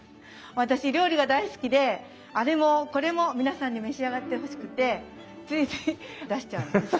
私料理が大好きであれもこれも皆さんに召し上がってほしくてついつい出しちゃうんです。